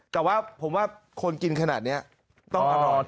แต่ว่าผมว่าคนกินขนาดนี้ต้องอร่อย